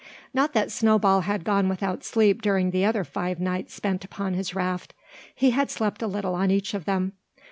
Not that Snowball had gone without sleep during the other five nights spent upon his raft. He had slept a little on each of them.